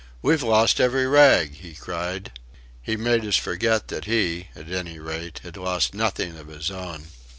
"We've lost every rag!" he cried. He made us forget that he, at any rate, had lost nothing of his own.